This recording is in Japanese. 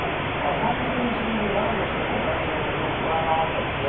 ３０日ぶりに前の週の同じ曜日を上回ったんですね。